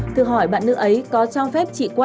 qua đi uống rượu